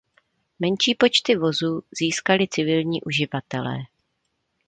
Menší počty vozů získali civilní uživatelé.